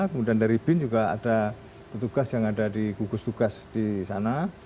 kemudian dari bin juga ada petugas yang ada di gugus tugas di sana